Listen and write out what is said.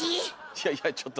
いやいやちょっと。